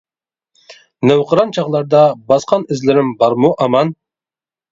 نەۋقىران چاغلاردا باسقان ئىزلىرىم بارمۇ ئامان؟ !